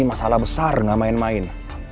ini masalah besar gak main main